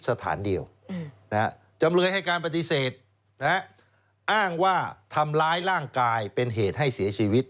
สถานเดียวจำเลยให้การปฏิเสธอ้างว่าทำร้ายร่างกายเป็นเหตุให้เสียชีวิต